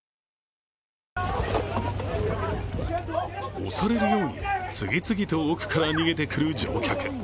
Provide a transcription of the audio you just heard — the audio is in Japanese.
押されるように次々と奥から逃げてくる乗客。